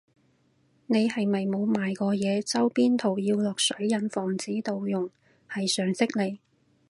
你係咪冇賣過嘢，周邊圖要落水印防止盜用係常識嚟